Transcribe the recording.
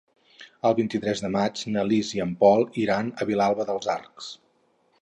El vint-i-tres de maig na Lis i en Pol iran a Vilalba dels Arcs.